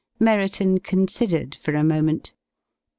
Merriton considered for a moment.